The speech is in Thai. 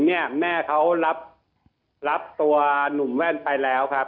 ถึงเนี่ยแม่เขารับตัวหนุ่มแว่นไปแล้วครับ